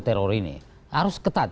teror ini harus ketat